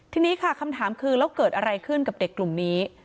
ทีนี้ค่ะคำถามคือแล้วเกิดอะไรขึ้นกับเด็กกลุ่มนี้